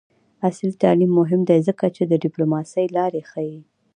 عصري تعلیم مهم دی ځکه چې د ډیپلوماسۍ لارې ښيي.